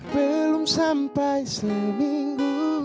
belum sampai seminggu